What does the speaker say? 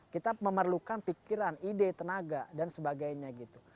kita memerlukan pikiran ide tenaga dan sebagainya gitu